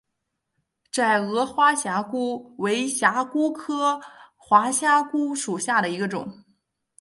窄额滑虾蛄为虾蛄科滑虾蛄属下的一个种。